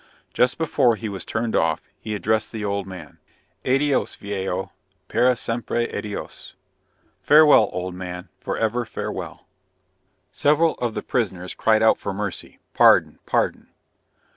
Just before he was turned off, he addressed the old man "Adios viejo, para siempre adios." (Farewell, old man, forever farewell.) Several of the prisoners cried out for mercy, pardon, pardon.